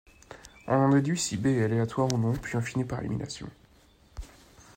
On en déduit si B est Aléatoire ou non puis on finit par élimination.